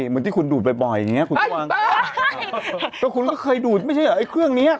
เหมือนที่คุณดูดบ่อยอย่างนี้